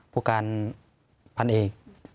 ผู้การพันเอก